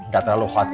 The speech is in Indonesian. gak terlalu hot sih